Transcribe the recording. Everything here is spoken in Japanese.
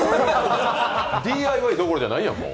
ＤＩＹどころやないやん、もう。